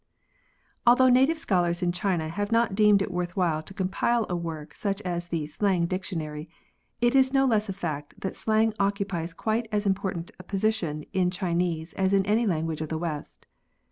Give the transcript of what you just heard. Although native scholars in China have not deemed it worth while to compile such a work as the " Slang Dictionary," it is no less a fact that slang occupies quite as important a position in Chinese as in any language of the West.